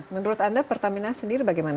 menurut anda pertamina sendiri bagaimana